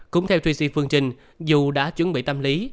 cũng theo truy sĩ phương trinh dù đã chuẩn bị tâm lý